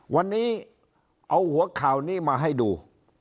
วันนี้เอาหัวข่าวนี้มาให้ดู